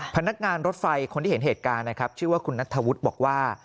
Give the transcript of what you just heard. พนักงานรถไฟคนที่เห็นเหตุการณ์นะครับชื่อว่าคุณนัทธวุฒิบอกว่า